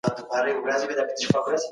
که موږ عدل وکړو نو ټولنه به نېکمرغه سي.